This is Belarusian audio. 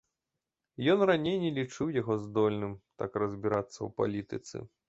Ён раней не лічыў яго здольным так разбірацца ў палітыцы.